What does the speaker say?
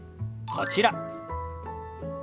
こちら。